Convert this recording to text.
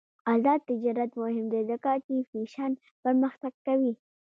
آزاد تجارت مهم دی ځکه چې فیشن پرمختګ کوي.